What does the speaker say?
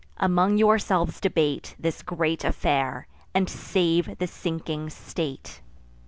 Among yourselves debate This great affair, and save the sinking state."